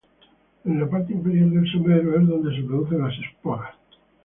En la parte inferior del sombrero es donde se producen las esporas.